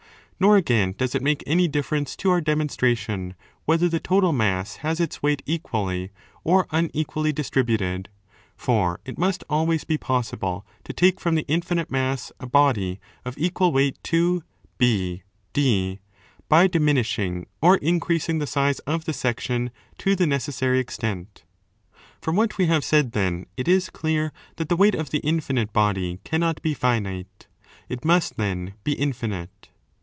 Nor again does it make any difference to our demonstration whether the total mass has its weight equally or unequally distributed. For it must always be possible to take from the infinite mass a body of equal a5 wee T T != RMA 645 20 . Ὁ 273° DE CAELO weight to BD by diminishing or increasing the size of the section to the necessary extent.! From what we have said, then, it is clear that the weight of the infinite body cannot be finite. It must then be, infinite.